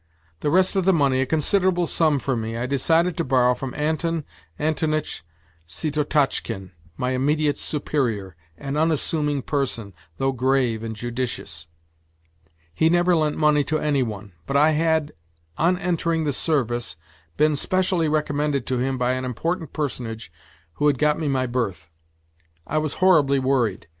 The rest of the money a considerable sum for me, I decided to borrow from Anton Antonitch Syetotchkin, my immediate superior, an unassuming person, though grave and judicious. He never lent money to any one, but I had, on entering the service, been specially recommended to him by an important personage who had got me my berth. I was horribly worried.